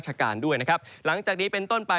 ก็คือบริเวณอำเภอเมืองอุดรธานีนะครับ